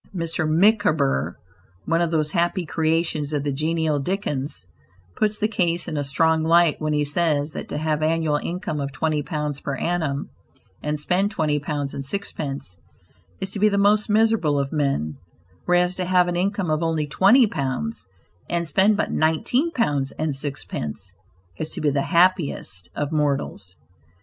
Mr. Micawber, one of those happy creations of the genial Dickens, puts the case in a strong light when he says that to have annual income of twenty pounds per annum, and spend twenty pounds and sixpence, is to be the most miserable of men; whereas, to have an income of only twenty pounds, and spend but nineteen pounds and sixpence is to be the happiest of mortals.